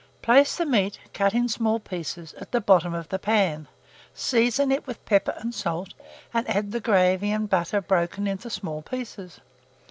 Place the meat, cut in small pieces, at the bottom of the pan; season it with pepper and salt, and add the gravy and butter broken, into small pieces.